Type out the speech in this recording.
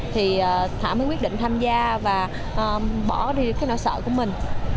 thì thảo mới quyết định tham gia và bỏ đi cái nợ sợ của mình